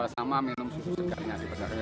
sama minum susu segar ya